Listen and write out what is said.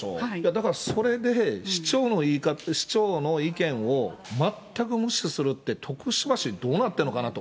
だからそれで市長の意見を全く無視するって徳島市、どうなってんのかなと。